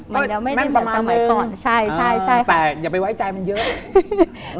แม่งประมาณก่อนแต่อย่าไปไว้ใจมันเยอะ